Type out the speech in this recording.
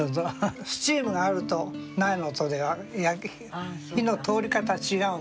スチームがあるとないのとでは火の通り方が違うんですよ。